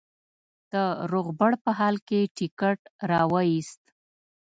د روغبړ په حال کې ټکټ را وایست.